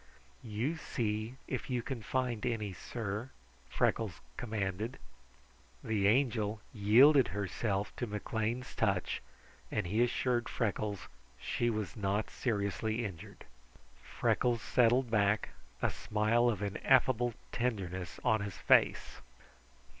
"You see if you can find any, sir," Freckles commanded. The Angel yielded herself to McLean's touch, and he assured Freckles that she was not seriously injured. Freckles settled back, a smile of ineffable tenderness on his face.